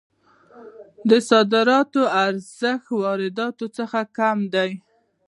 د صادراتو ارزښت یې د وارداتو څخه کم دی.